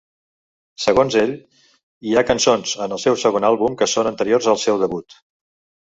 Segons ell, hi ha cançons en el seu segon àlbum que són anteriors al seu debut.